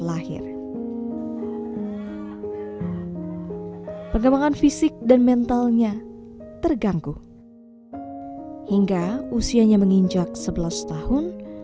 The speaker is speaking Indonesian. lahir perkembangan fisik dan mentalnya terganggu hingga usianya menginjak sebelas tahun